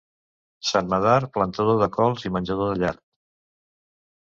Sant Medard, plantador de cols i menjador de llard.